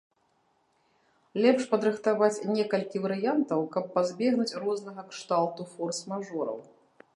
Лепш падрыхтаваць некалькі варыянтаў, каб пазбегнуць рознага кшталту форс-мажораў.